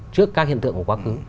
trước các hiện tượng của quá khứ